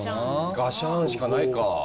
ガシャーンしかないか。